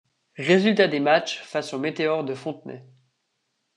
Résultats des matches face aux Météores de Fontenay.